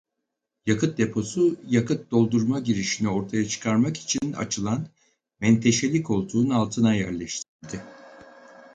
Yakıt deposu yakıt doldurma girişini ortaya çıkarmak için açılan menteşeli koltuğun altına yerleştirildi.